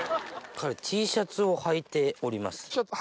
彼Ｔシャツをはいております。